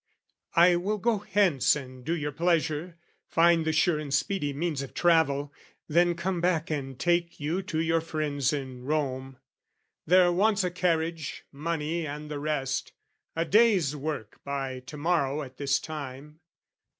"I will go hence and do your pleasure, find "The sure and speedy means of travel, then "Come back and take you to your friends in Rome. "There wants a carriage, money and the rest, "A day's work by to morrow at this time.